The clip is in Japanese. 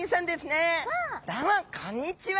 どうもこんにちは。